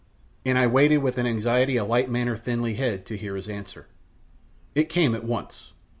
And I waited with an anxiety a light manner thinly hid, to hear his answer. It came at once.